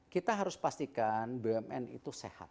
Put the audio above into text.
kita harus pastikan bumn itu sehat